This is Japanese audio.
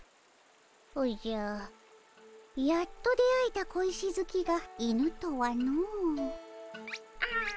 おじゃやっと出会えた小石好きが犬とはの。